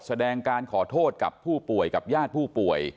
แสดงการขอโทษกับผู้ป่วยกับญาติผู้ป่วย